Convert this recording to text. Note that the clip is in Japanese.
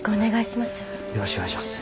よろしくお願いします。